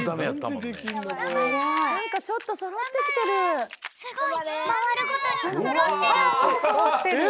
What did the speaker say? あすごい。